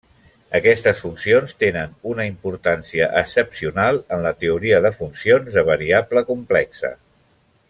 Aquestes funcions tenen una importància excepcional en la teoria de funcions de variable complexa.